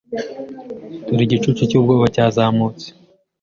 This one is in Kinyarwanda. Dore igicucu cyubwoba cyazamutse